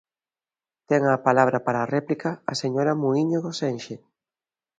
Ten a palabra para a réplica a señora Muíño Gosenxe.